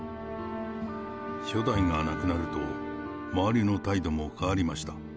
初代が亡くなると、周りの態度も変わりました。